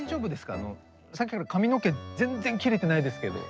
あのさっきから髪の毛全然切れてないですけど。